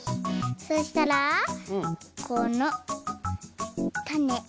そしたらこのたね。